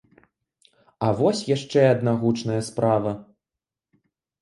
А вось яшчэ адна гучная справа.